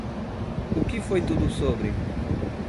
O que foi tudo sobre?